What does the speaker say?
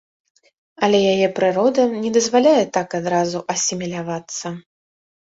Але яе прырода не дазваляе так адразу асімілявацца.